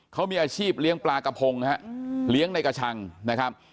เขามีอาชีพเลี้ยงปลากระพงฮะเลี้ยงในกระชังนะครับ